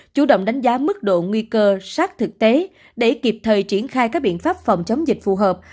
chủ động đánh giá mức độ nguy cơ sát thực tế để kịp thời triển khai các biện pháp phòng chống dịch phù hợp